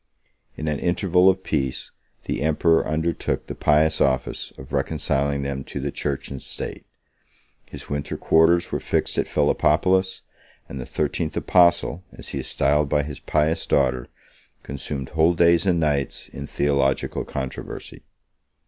In an interval of peace, the emperor undertook the pious office of reconciling them to the church and state: his winter quarters were fixed at Philippopolis; and the thirteenth apostle, as he is styled by his pious daughter, consumed whole days and nights in theological controversy.